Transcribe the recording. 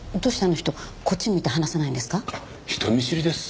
人見知りです。